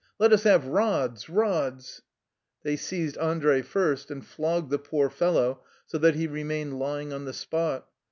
Let us have rods, rods !'" They seized Andrei first, and flogged the poor fellow so that he remained lying on the spot.